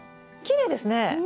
きれいですね！